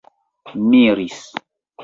miris